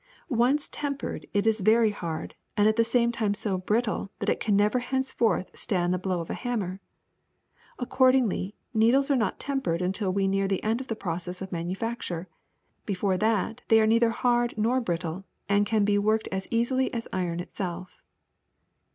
Once tempered, it is very hard and at the same time so brittle that it can never henceforth stand the blow of a hammer. Accord ingly needles are not tempered until near the end of the process of manufacture; before that they are neither hard nor brittle and can be worked as easily as iron itself.